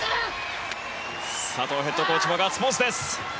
佐藤ヘッドコーチもガッツポーズです。